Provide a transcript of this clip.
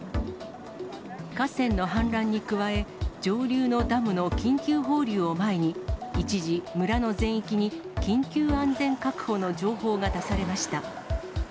河川の氾濫に加え、上流のダムの緊急放流を前に、一時、村の全域に緊急安全確保の情報が出されました。